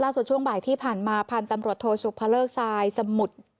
ล่าส่วนช่วงบ่ายที่ผ่านมาผ่านตำรวจโทษุภเวลล์ทรายสมุทร